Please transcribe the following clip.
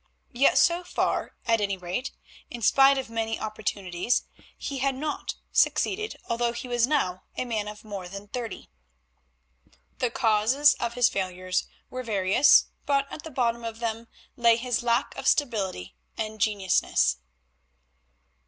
Yet so far, at any rate, in spite of many opportunities, he had not succeeded although he was now a man of more than thirty. The causes of his failures were various, but at the bottom of them lay his lack of stability and genuineness.